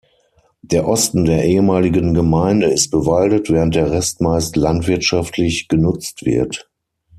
Der Osten der ehemaligen Gemeinde ist bewaldet, während der Rest meist landwirtschaftlich genutzt wird.